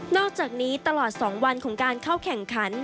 อกจากนี้ตลอด๒วันของการเข้าแข่งขัน